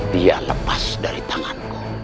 dia lepas dari tanganku